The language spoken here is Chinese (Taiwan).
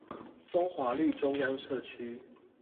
風華綠中央社區